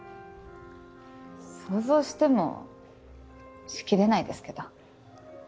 想像してもしきれないですけど。